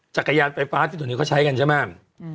จักรยานไฟฟ้าที่ตรงนี้เขาใช้กันใช่ไหม